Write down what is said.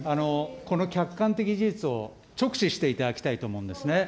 この客観的事実を直視していただきたいと思うんですね。